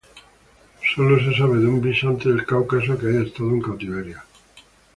Solo se sabe de un bisonte del Cáucaso que haya estado en cautiverio.